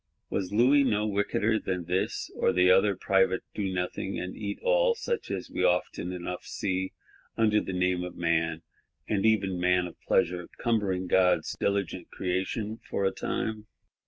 —Was Louis no wickeder than this or the other private Donothing and Eatall; such as we often enough see, under the name of Man, and even Man of Pleasure, cumbering God's diligent Creation, for a time?